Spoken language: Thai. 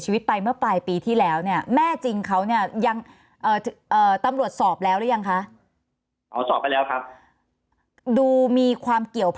ใช่ครับไม่คือจากคำให้การของเขานะครับแล้วเราพิสูจน์จากคำให้การที่เขาพูดมาเนี่ย